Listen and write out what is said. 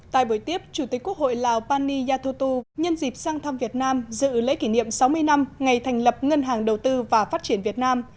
tại buổi tiếp chủ tịch quốc hội lào pani yathutu nhân dịp sang thăm việt nam dự lễ kỷ niệm sáu mươi năm ngày thành lập ngân hàng đầu tư và phát triển việt nam